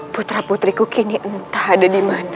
putra putriku kini entah ada dimana